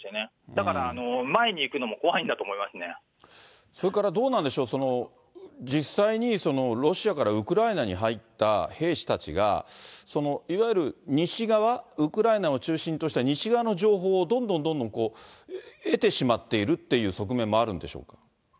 だから前に行くのも怖いんだと思それからどうなんでしょう、実際にロシアからウクライナに入った兵士たちが、いわゆる西側、ウクライナを中心とした西側の情報をどんどんどんどん得てしまっているっていう側面もあるんでしょうか。